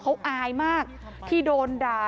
เขาอายมากที่โดนด่า